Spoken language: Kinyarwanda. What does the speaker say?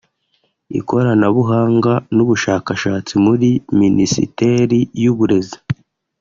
ikoranabuhanga n’ubushakashatsi muri Minisiteri y’Uburezi